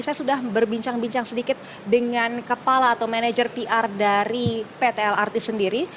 saya sudah berbincang bincang sedikit dengan kepala atau manajer pr dari pt lrt sendiri